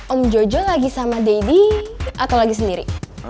om jojo lagi sama deddy atau lagi sendiri